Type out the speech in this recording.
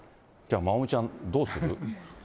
まおみちゃん、どうする？